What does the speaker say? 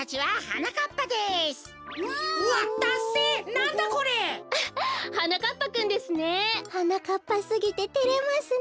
はなかっぱすぎててれますねえ。